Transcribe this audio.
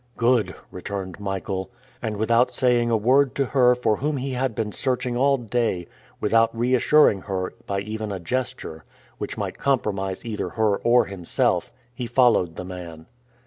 "Good," returned Michael. And without saying a word to her for whom he had been searching all day, without reassuring her by even a gesture, which might compromise either her or himself, he followed the man.